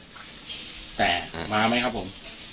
แต่มามั้ยครับผม